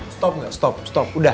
stop nggak stop stop udah